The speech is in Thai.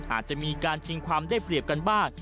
อาจจะมีการชิงความได้เปรียบกันบ้าง